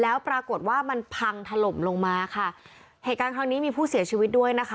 แล้วปรากฏว่ามันพังถล่มลงมาค่ะเหตุการณ์ครั้งนี้มีผู้เสียชีวิตด้วยนะคะ